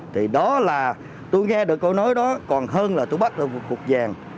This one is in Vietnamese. thì đó là tôi nghe được câu nói đó còn hơn là tôi bắt được một cuộc vàng